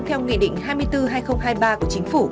theo nghị định hai mươi bốn hai nghìn hai mươi ba của chính phủ